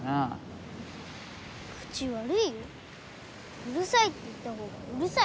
うるさいって言った方がうるさい。